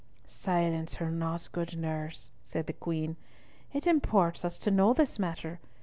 "Silence her not, good nurse," said the Queen, "it imports us to know this matter.